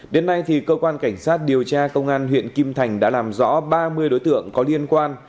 đến nay cơ quan cảnh sát điều tra công an huyện kim thành đã làm rõ ba mươi đối tượng có liên quan